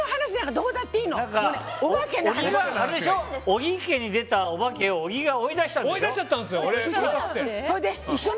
小木家に出たおばけを小木が追い出しちゃったんでしょ。